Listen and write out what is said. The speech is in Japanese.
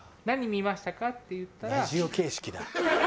「何見ましたか？」って言ったら。